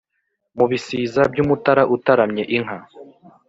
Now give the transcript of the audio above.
Mu bisiza by'Umutara utaramye inka